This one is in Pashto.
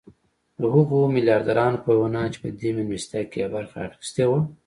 د هغو ميلياردرانو په وينا چې په دې مېلمستيا کې يې برخه اخيستې وه.